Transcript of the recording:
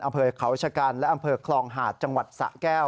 อำเภอเขาชะกันและอำเภอคลองหาดจังหวัดสะแก้ว